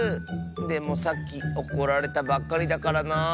でもさっきおこられたばっかりだからなあ。